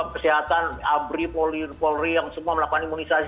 kesehatan abri polri yang semua melakukan imunisasi